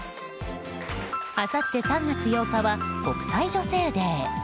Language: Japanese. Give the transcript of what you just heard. あさって３月８日は国際女性デー。